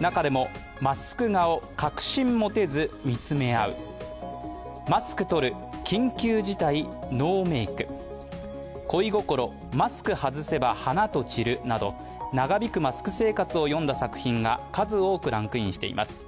中でも、「マスク顔確信持てず見つめ合う」、「マスクとる緊急事態ノーメイク」「恋心マスク外せば花と散る」など長引くマスク生活を詠んだ作品が数多くランクインしています。